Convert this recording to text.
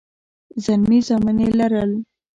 زلمي زامن يې لرل.